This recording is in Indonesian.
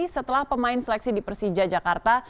setelah pemain seleksi di persija jakarta